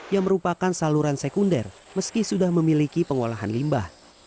yang merupakan saluran sekunder meski sudah memiliki pengolahan limbah